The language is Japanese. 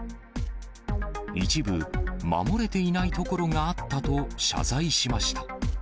一部守れていないところがあったと謝罪しました。